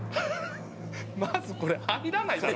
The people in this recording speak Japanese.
まずこれ入らないだろ。